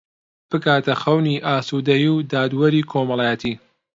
بگاتە خەونی ئاسوودەیی و دادوەریی کۆمەڵایەتی